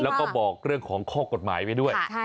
แล้วก็บอกเรื่องของข้อกฎหมายไว้ด้วย